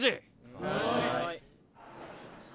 はい。